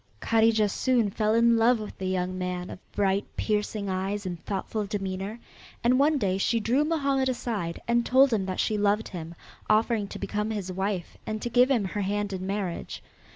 Kadijah soon fell in love with the young man of bright, piercing eyes and thoughtful demeanor, and one day she drew Mohammed aside and told him that she loved him, offering to become his wife and to give him her hand in marriage.